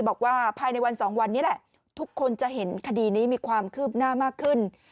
บอกว่าภายในวัน๒วันนี้แหละทุกคนจะเห็นคดีนี้มีความคืบหน้ามากขึ้น